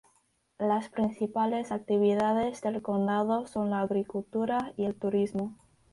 Las principales actividades del condado son la agricultura y el turismo.